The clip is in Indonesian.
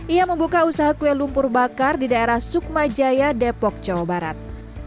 ia membuka usaha kue lumpur bakar di daerah sukma jaya depok jawa barat